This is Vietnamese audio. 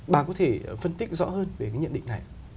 bà có thể phân tích rõ hơn về cái nhận định này